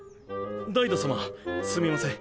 ダイダ様すみません。